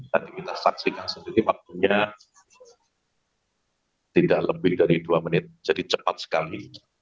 tadi kita saksikan sendiri waktunya tidak lebih dari dua menit jadi cepat sekali